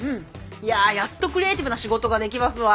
いややっとクリエイティブな仕事ができますわ。